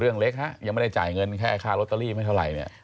เรื่องเล็กฮะยังไม่ได้จ่ายเงินแค่ค่ารโรตเตอรี่ไม่เท่าไร